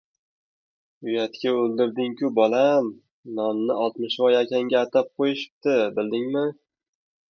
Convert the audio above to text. — Uyatga o‘ldirding-ku, bolam. Nonni Oltmishvoy akangga atab qo‘yishibdi, bildingmi?